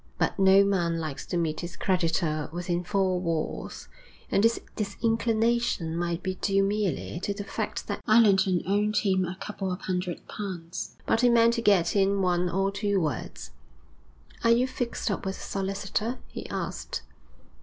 But no man likes to meet his creditor within four walls, and this disinclination might be due merely to the fact that Allerton owed him a couple of hundred pounds. But he meant to get in one or two words. 'Are you fixed up with a solicitor?' he asked.